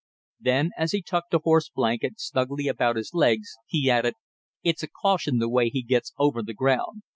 Then, as he tucked a horse blanket snugly about his legs, he added: "It's a caution the way he gets over the ground.